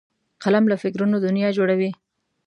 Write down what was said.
قلم له فکرونو دنیا جوړوي